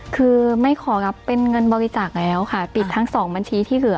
คือไม่ขอรับเป็นเงินบริจาคแล้วค่ะติดทั้งสองบัญชีที่เหลือ